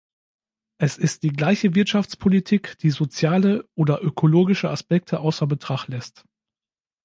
Es ist die gleiche Wirtschaftspolitik, die soziale oder ökologische Aspekte außer Betracht lässt.